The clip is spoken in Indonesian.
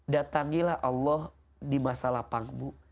datangilah allah di masa lapangmu